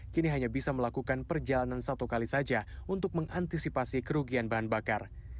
kini hanya bisa melakukan perjalanan satu kali saja untuk mengantisipasi kerugian bahan bakar